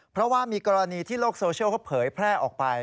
เพราะว่ามีกรณีที่โลกโซเชียลเขาเผยแพร่ออกไป